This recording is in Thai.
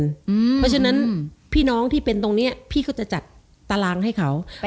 เพราะฉะนั้นพี่น้องที่เป็นตรงนี้พี่ก็จะจัดตารางให้เขา